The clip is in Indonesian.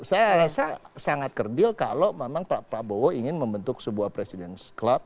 saya rasa sangat kerdil kalau memang pak prabowo ingin membentuk sebuah presiden club